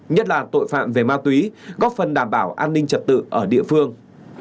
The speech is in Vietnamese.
nhất là tội phạm về ma túy góp phần đảm bảo an ninh trật tự ở địa phương